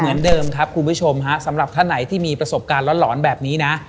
เหมือนเดิมครับคุณผู้ชมฮะสำหรับท่านไหนที่มีประสบการณ์หลอนแบบนี้นะ